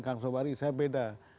kang sobari saya beda